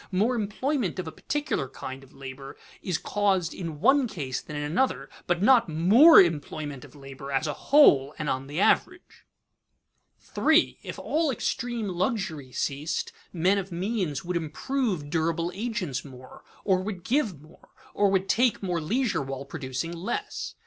More employment of a particular kind of labor is caused in one case than in another, but not more employment of labor as a whole and on the average. [Sidenote: Results of a sudden change in standards of living] 3. _If all extreme luxury ceased, men of means would improve durable agents more or would give more or would take more leisure while producing less.